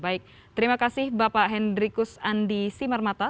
baik terima kasih bapak hendrikus andi simarmata